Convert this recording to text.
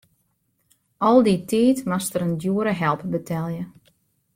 Al dy tiid moast er in djoere help betelje.